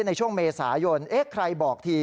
ในช่วงเมษายนเอ๊ะใครบอกที